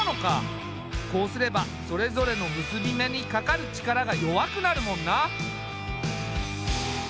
こうすればそれぞれの結び目にかかる力が弱くなるもんな。